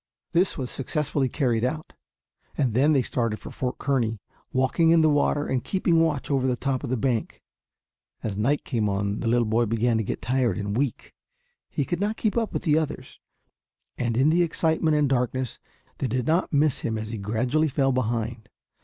This was successfully carried out and they then started for Fort Kearny, walking in the water and keeping watch over the top of the bank. As night came on the little boy began to get tired and weak. He could not keep up with the others, and in the excitement and darkness they did not miss him as he gradually fell behind.